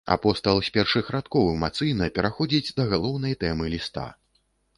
Апостал з першых радкоў эмацыйна пераходзіць да галоўнай тэмы ліста.